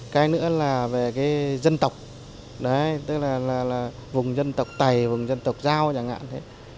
cái nữa là về cái dân tộc tức là vùng dân tộc tày vùng dân tộc giao chẳng hạn